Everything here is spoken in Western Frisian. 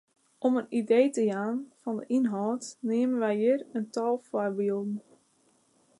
Om in idee te jaan fan de ynhâld neame wy hjir in tal foarbylden.